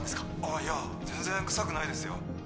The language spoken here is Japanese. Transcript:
あいや全然臭くないですよ